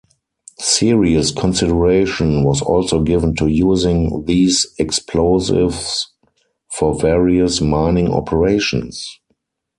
Serious consideration was also given to using these explosives for various mining operations.